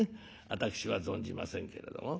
私は存じませんけれども。